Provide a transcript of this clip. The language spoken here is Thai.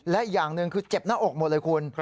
และอีกอย่างหนึ่งคือเจ็บหน้าอกหมดเลยคุณ